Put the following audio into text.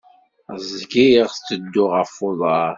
Zgiɣ tedduɣ ɣef uḍar.